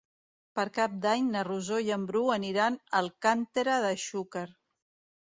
Per Cap d'Any na Rosó i en Bru aniran a Alcàntera de Xúquer.